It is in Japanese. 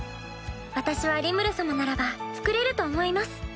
私はリムル様ならばつくれると思います。